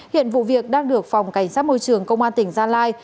hiện vụ việc đang được phòng cảnh sát môi trường công an tỉnh gia lai